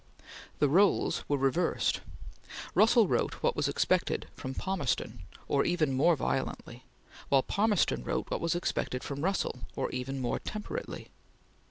The roles were reversed. Russell wrote what was expected from Palmerston, or even more violently; while Palmerston wrote what was expected from Russell, or even more temperately.